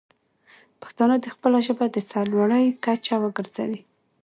پښتانه دې خپله ژبه د سر لوړۍ کچه وګرځوي.